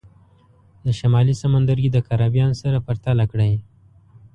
د شمالي سمندرګي د کارابین سره پرتله کړئ.